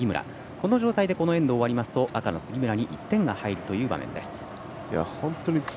この状況でエンドが終わると赤の杉村に１点が入るという場面です。